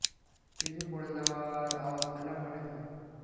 কিছু পড়ে যাওয়ার আওয়াজ পেলাম মনে হয়।